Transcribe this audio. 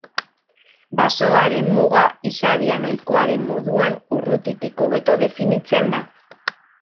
Basoaren muga, izadian ohikoa den moduan, urrutitik hobeto definitzen da.